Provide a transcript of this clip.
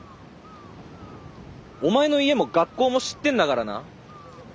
お前の家も学校も知ってんだからな。